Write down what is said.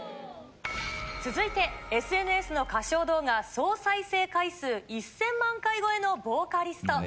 続いてＳＮＳの歌唱動画総再生回数１０００万回超えのボーカリスト。